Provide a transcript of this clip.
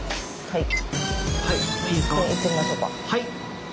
はい。